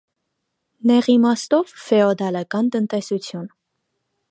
Նեղ իմաստով՝ ֆեոդալական տնտեսություն։